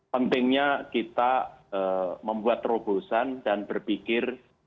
pentingnya kita membuat terobosan dan berpikir